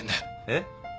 えっ？